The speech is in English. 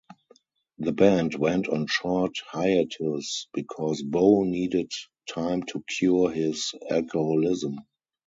The band went on short hiatus because Bo needed time to cure his alcoholism.